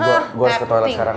gue harus ke toilet sekarang